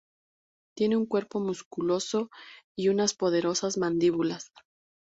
Tiene un cuerpo musculoso y unas poderosas mandíbulas.